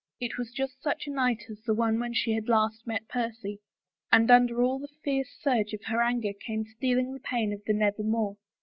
It was just such a night as the one when she had last met Percy, and under all the fierce surge of her anger came stealing the pain of the nevermore.